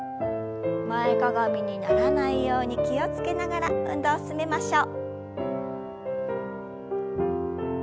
前かがみにならないように気を付けながら運動を進めましょう。